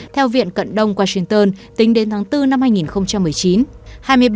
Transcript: theo viện cận đông washington tính đến tháng bốn năm hai nghìn một mươi chín